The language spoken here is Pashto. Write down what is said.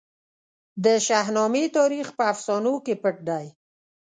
د شاهنامې تاریخ په افسانو کې پټ دی.